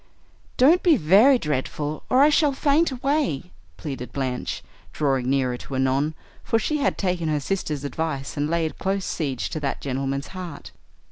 "Don't be very dreadful, or I shall faint away," pleaded Blanche, drawing nearer to Annon, for she had taken her sister's advice, and laid close siege to that gentleman's heart.